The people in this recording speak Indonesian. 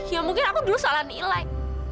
ya mungkin aku dulu salah nilai